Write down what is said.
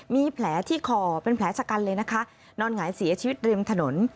มีแผลที่คอเป็นแผลชะกันเลยนะคะนอนหงายเสียชีวิตริมถนน